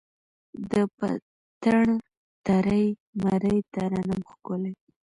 د پتڼ ترۍ، مرۍ ترنم ښکلی